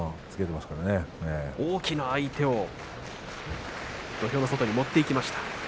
大きな相手を土俵の外に持っていきました。